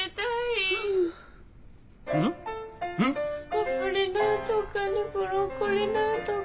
カプリ何とかにブロッコリ何とか。